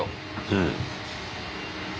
うん。